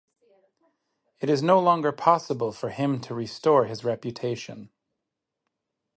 It is no longer possible for him to restore his reputation.